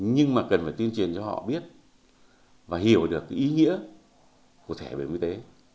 nhưng mà cần phải tuyên truyền cho họ biết và hiểu được cái ý nghĩa của thẻ bảo hiểm y tế